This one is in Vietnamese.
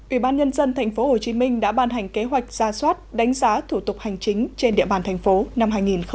ủy ban nhân dân tp hcm đã ban hành kế hoạch ra soát đánh giá thủ tục hành chính trên địa bàn thành phố năm hai nghìn hai mươi